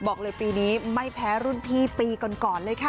บอกเลยปีนี้ไม่แพ้รุ่นพี่ปีก่อนเลยค่ะ